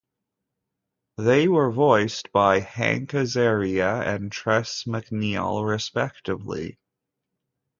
They were voiced by Hank Azaria and Tress MacNeille, respectively.